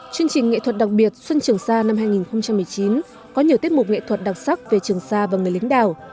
chương trình nghệ thuật đặc biệt xuân trường sa năm hai nghìn một mươi chín có nhiều tiết mục nghệ thuật đặc sắc về trường sa và người lãnh đạo